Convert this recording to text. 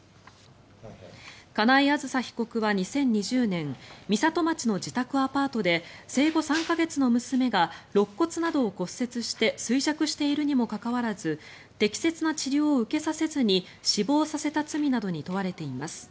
金井あずさ被告は２０２０年美里町の自宅アパートで生後３か月の娘がろっ骨などを骨折して衰弱しているにもかかわらず適切な治療を受けさせずに死亡させた罪などに問われています。